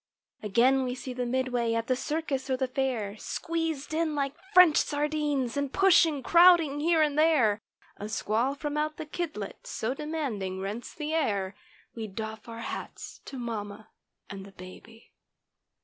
Again we see the "midway" at the circus or the fair Squeezed in like French sardines and pushing, crowd¬ ing here and there; A squall from out the "kidlet" so demanding rents the air— We doff our hats to mamma and the baby.